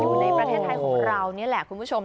อยู่ในประเทศไทยของเรานี่แหละคุณผู้ชม